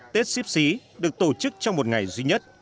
tết ship xí được tổ chức trong một ngày duy nhất